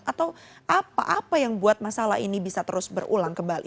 atau apa apa yang buat masalah ini bisa terus berulang kembali